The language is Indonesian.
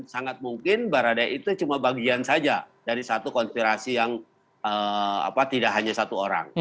sangat mungkin baradae itu cuma bagian saja dari satu konspirasi yang tidak hanya satu orang